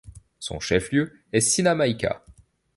Son chef-lieu est Sinamaica.